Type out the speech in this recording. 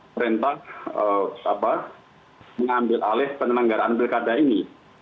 perintah sabah mengambil alih penelenggaraan pilkada ini